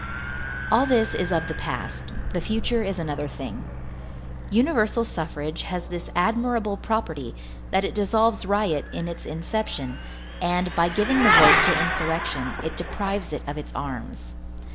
All this is of the past, the future is another thing. Universal suffrage has this admirable property, that it dissolves riot in its inception, and, by giving the vote to insurrection, it deprives it of its arms.